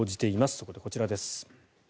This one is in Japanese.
そこでこちらです。